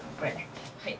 はい。